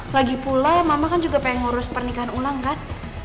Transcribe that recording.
lagi pula mama kan juga pengen ngurus pernikahan ulang kan